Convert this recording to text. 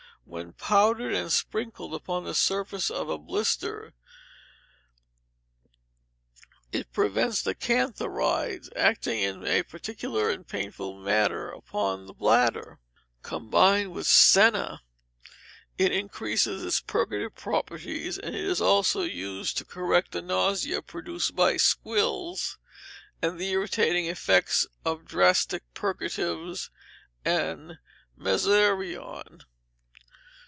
When powdered and sprinkled upon the surface of a blister, it prevents the cantharides acting in a peculiar and painful manner upon the bladder. Combined with senna, it increases its purgative properties; and it is also used to correct the nausea produced by squills, and the irritating effects of drastic purgatives and mezereon.